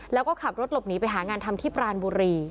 แล้วก็ขับรถหลบหนีไปหางานทำที่ปรานบุรี